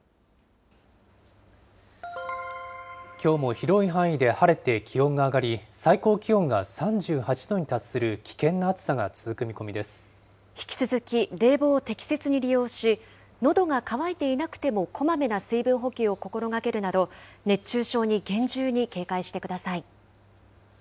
きょうも広い範囲で晴れて、気温が上がり、最高気温が３８度に達する危険な暑さが続く見込み引き続き冷房を適切に利用し、のどが渇いていなくてもこまめな水分補給を心がけるなど、熱中症に厳重に警戒してください。